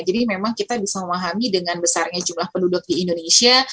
jadi memang kita bisa memahami dengan besarnya jumlah penduduk di indonesia